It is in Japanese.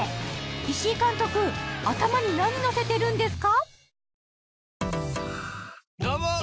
石井監督頭に何乗せてるんですか？